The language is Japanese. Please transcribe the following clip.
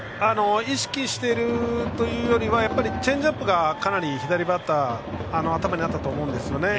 意識しているというよりはチェンジアップが左バッターの頭にあったと思うんです。